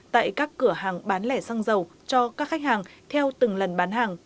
tại các cửa hàng bán lẻ xăng dầu cho các khách hàng theo từng lần bán hàng